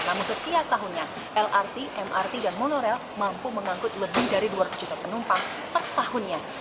namun setiap tahunnya lrt mrt dan monorail mampu mengangkut lebih dari dua ratus juta penumpang per tahunnya